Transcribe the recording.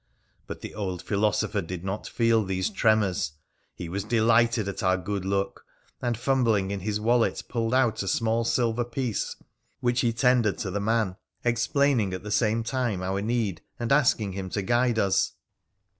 But the old philosopher did not feel these tremors. He was delighted at our good luck, and, fumbling in his wallet, pulled out a small silver piece which he tendered to the man, explaining at the same time our need and asking him to guide us.